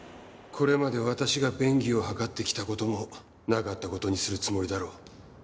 これまで私が便宜を図ってきた事もなかった事にするつもりだろう。